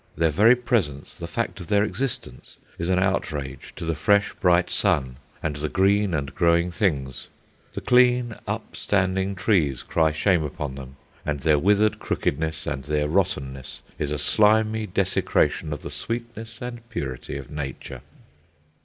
Their very presence, the fact of their existence, is an outrage to the fresh, bright sun and the green and growing things. The clean, upstanding trees cry shame upon them and their withered crookedness, and their rottenness is a slimy desecration of the sweetness and purity of nature.